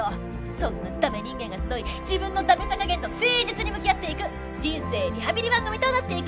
そんなダメ人間が集い自分のダメさ加減と誠実に向き合っていく人生リハビリ番組となっていく予定です！